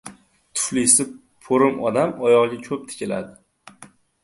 • Tuflisi po‘rim odam oyog‘iga ko‘p tikiladi.